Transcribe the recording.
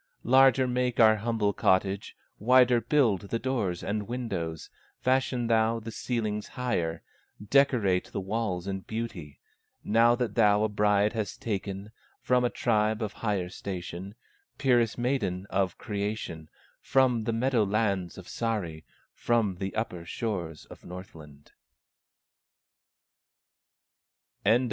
Larger make our humble cottage, Wider build the doors and windows, Fashion thou the ceilings higher, Decorate the walls in beauty, Now that thou a bride hast taken From a tribe of higher station, Purest maiden of creation, From the meadow lands of Sahri, From the upper shores of Northland."